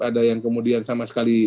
ada yang kemudian sama sekali